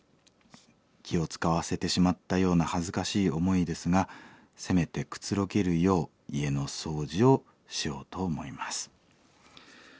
気を遣わせてしまったような恥ずかしい思いですがせめてくつろげるよう家の掃除をしようと思います」。